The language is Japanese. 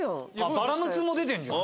バラムツも出てんじゃん。